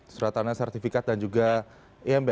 surat tanah sertifikat dan juga imb